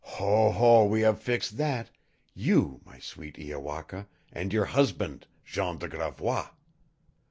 "Ho, ho, we have fixed that you, my sweet Iowaka, and your husband, Jean de Gravois.